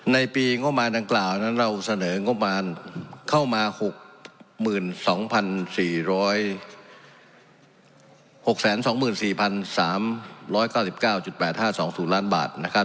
ในปีงบประมาณดังกล่าวนั้นเราเสนองบประมาณเข้ามา๖๒๔๖๒๔๓๙๙๘๕๒๐ล้านบาทนะครับ